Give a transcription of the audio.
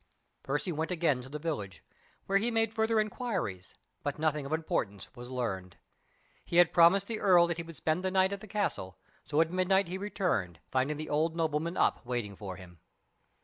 Percy went again to the village, where he made further inquiries; but nothing of importance was learned. He had promised the earl that he would spend the night at the castle; so at midnight he returned, finding the old nobleman up waiting for him.